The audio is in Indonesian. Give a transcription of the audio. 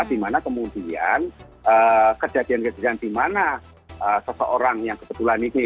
dimana kemudian kejadian kejadian dimana seseorang yang kebetulan ini